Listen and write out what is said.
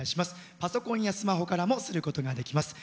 パソコンやスマホからもすることができます。